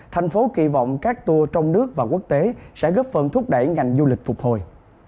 thành phố kỳ vọng các tour trong nước và quốc tế sẽ góp phần thúc đẩy ngành du lịch phục hồi